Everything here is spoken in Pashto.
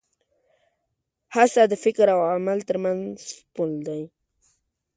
هڅه د فکر او عمل تر منځ پُل دی.